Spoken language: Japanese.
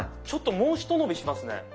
ちょっともうひと伸びしますね。